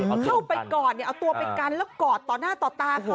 เข้าไปก่อนเอาตัวไปกันแล้วกอดต่อหน้าต่อตาเขา